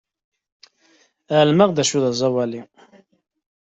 Ɛelmeɣ d acu d aẓawali.